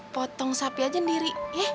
potong sapi aja sendiri